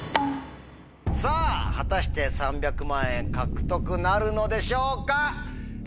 さぁ果たして３００万円獲得なるのでしょうか！